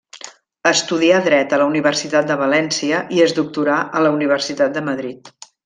Estudià dret a la Universitat de València i es doctorà a la Universitat de Madrid.